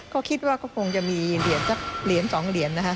ก็คิดว่าก็คงจะมีเหรียญสักเหรียญ๒เหรียญนะคะ